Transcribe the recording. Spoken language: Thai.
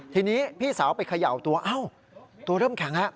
ทีนี้พี่สาวไปเขย่าตัวตัวเริ่มแข็ง